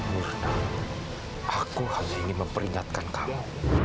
murnah aku hal ini memperingatkan kamu